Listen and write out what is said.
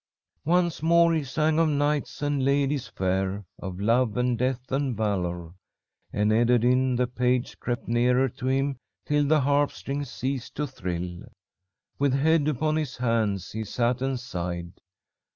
"Once more he sang of knights and ladyes fair, of love and death and valour; and Ederyn, the page, crept nearer to him till the harp strings ceased to thrill. With head upon his hands, he sat and sighed.